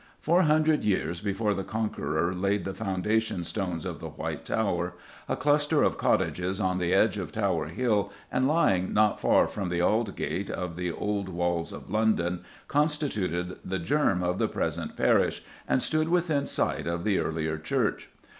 Four hundred years before the Conqueror laid the foundation stones of the White Tower, a cluster of cottages on the edge of Tower Hill, and lying not far from the Ald gate of the old walls of London, constituted the germ of the present parish, and stood within sight of the earlier church.